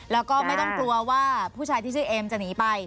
แล้วก็ไม่ต้องกลัวว่าผู้ชายที่ชื่อเอ็มจะหนีไป